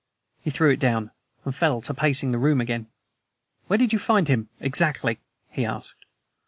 He threw it down, and fell to pacing the room again. "Where did you find him exactly?" he asked.